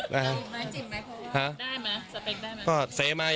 ได้มั้ยสเปคได้มั้ย